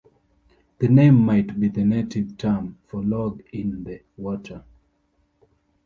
The name might be the native term for log in the water.